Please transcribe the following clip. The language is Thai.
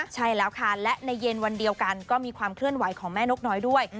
ใช่แล้วค่ะและในเย็นวันเดียวกันก็มีความเคลื่อนไหวของแม่นกน้อยด้วย